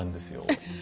えっ！